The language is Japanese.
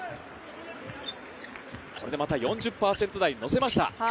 これでまた４０％台に乗せました。